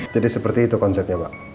jadi seperti itu konsepnya mbak